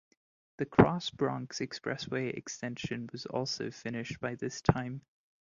The Cross Bronx Expressway Extension was also finished by this time.